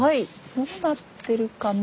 どうなってるかな？